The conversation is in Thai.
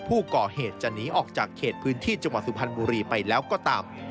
ผู้ก่อเหตุจะหนีออกจากเขตพื้นที่จังหวัดสุพรรณบุรีไปแล้วก็ตาม